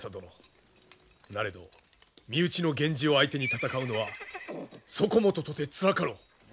なれど身内の源氏を相手に戦うのはそこもととてつらかろう。